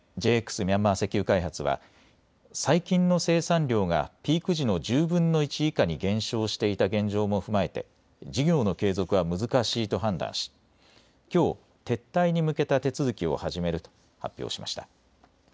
ミャンマー石油開発は最近の生産量がピーク時の１０分の１以下に減少していた現状も踏まえて事業の継続は難しいと判断しきょう撤退に向けた手続きを始めると発表しました。